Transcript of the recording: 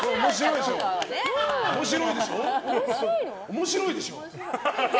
面白いでしょ。